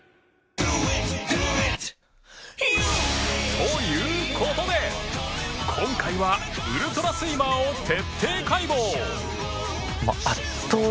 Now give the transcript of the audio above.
という事で今回はウルトラスイマーを徹底解剖！